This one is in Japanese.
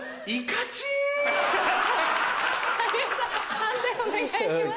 判定お願いします。